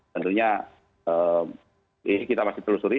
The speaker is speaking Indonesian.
tentunya ini kita masih telusuri